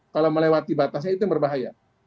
kalau melewati batasnya itu yang berbahaya